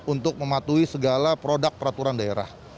untuk mematuhi segala produk peraturan daerah